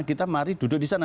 kita mari duduk di sana